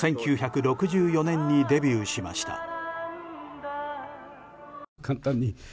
１９６４年にデビューしました。